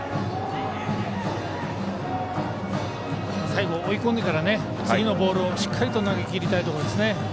最後、追い込んでから次のボールをしっかりと投げきりたいところですね。